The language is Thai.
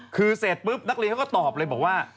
คือเสร็จปุ๊บนักเรียนเขาก็ตอบเลยบอกว่า